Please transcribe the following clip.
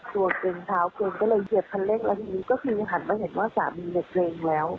กลัวเกินเท้าเกินก็เลยเหยียบคันเร่งแล้วทีนี้ก็คือหันมาเห็นว่าสามีเนี่ยเกรงแล้ว